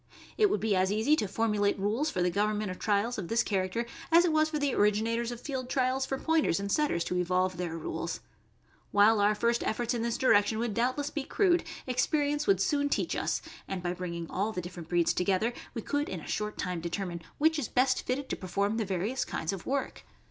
It would be as easy to formulate rules for the government of trials of this character as it was for the originators of field trials for Pointers and Setters to evolve their rules. While our first efforts in this direction would doubtless be crude, experience would soon teach us; and by bringing all the different breeds together, we could in a short time determine which is best fitted to perform the various kinds of work.